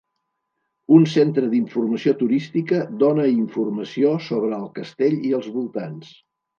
Un centre d'informació turística dóna informació sobre el castell i els voltants.